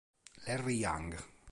Larry Young